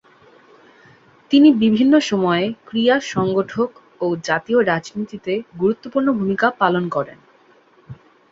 তিনি বিভিন্ন সময়ে ক্রীড়া সংগঠক ও জাতীয় রাজনীতিতে গুরুত্বপূর্ণ ভূমিকা পালন করেন।